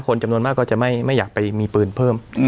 คนจำนวนมากก็จะไม่อยากไปมีปืนเพิ่ม